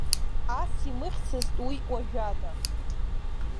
Ас имыхьцызт уи уажәада.